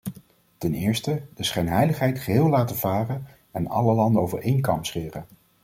Ten eerste: de schijnheiligheid geheel laten varen en alle landen over één kam scheren.